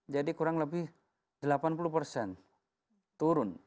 jadi kurang lebih delapan puluh persen turun